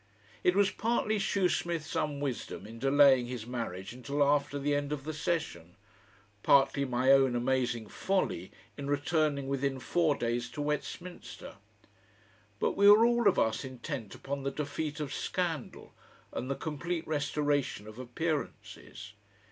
It was partly Shoesmith's unwisdom in delaying his marriage until after the end of the session partly my own amazing folly in returning within four days to Westminster. But we were all of us intent upon the defeat of scandal and the complete restoration of appearances.